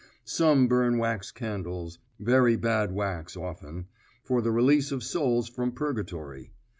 Some burn wax candles very bad wax often for the release of souls from purgatory.